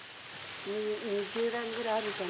２０段ぐらいあるかな。